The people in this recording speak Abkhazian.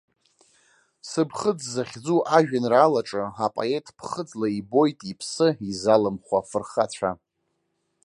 Сыԥхыӡ захьӡу ажәеинраалаҿы апоет ԥхыӡла ибоит иԥсы изалымхуа ифырхацәа.